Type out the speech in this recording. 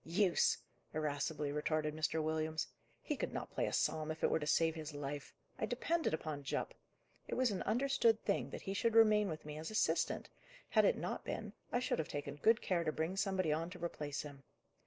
"Use!" irascibly retorted Mr. Williams, "he could not play a psalm if it were to save his life. I depended upon Jupp. It was an understood thing that he should remain with me as assistant; had it not been, I should have taken good care to bring somebody on to replace him.